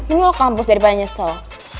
ini lo kampus daripada nyesel